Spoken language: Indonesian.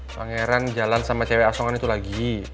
pangeran jalan sama cewek asongan itu lagi